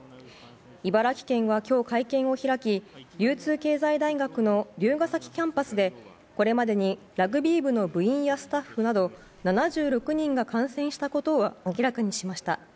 茨城県は今日、会見を開き流通経済大学の龍ケ崎キャンパスでこれまでに、ラグビー部の部員やスタッフなど７６人が感染したことを明らかにしました。